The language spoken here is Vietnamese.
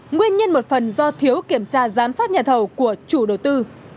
nguyên nhân một phần do thiếu kiểm tra giám sát nhà thầu của chủ đầu tư